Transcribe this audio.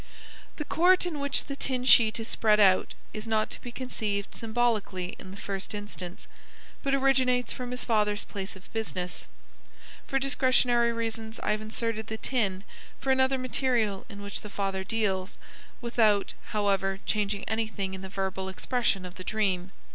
The court in which the tin sheet is spread out is not to be conceived symbolically in the first instance, but originates from his father's place of business. For discretionary reasons I have inserted the tin for another material in which the father deals, without, however, changing anything in the verbal expression of the dream.